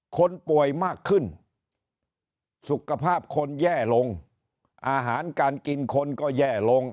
คนป่วยมากขึ้นสุขภาพคนแย่ลงอาหารการกินคนก็แย่ลง